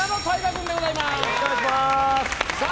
君でございます。